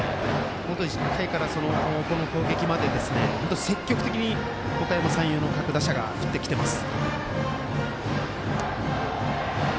１回から、この攻撃まで本当に積極的におかやま山陽の各打者が振ってきています。